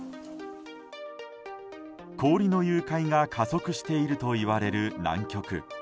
氷の融解が加速しているといわれる南極。